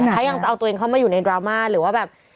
ถ้ายังจะเอาตัวเองเข้ามาอยู่ในดราม่าหรือว่าแบบ